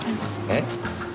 えっ？